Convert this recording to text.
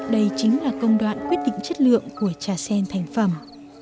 đây chính là công đoạn quyết định chất lượng của trà sen thành phẩm